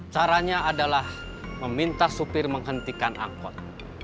caranya adalah meminta supir menghentikan angkot